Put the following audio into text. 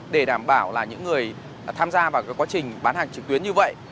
để đảm bảo là những người tham gia vào quá trình bán hàng trực tuyến như vậy